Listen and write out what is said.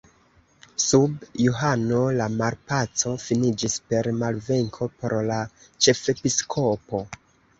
Sub Johano la malpaco finiĝis per malvenko por la ĉefepiskopo.